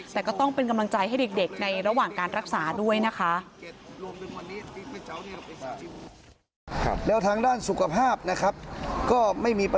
แต่ก็ต้องเป็นกำลังใจให้เด็กในระหว่างการรักษาด้วยนะคะ